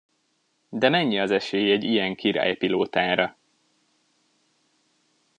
De mennyi az esély egy ilyen király pilótára?